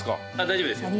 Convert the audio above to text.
大丈夫ですよ。